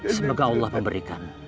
semoga allah memberikan